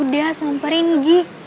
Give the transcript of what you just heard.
udah sampe rin gi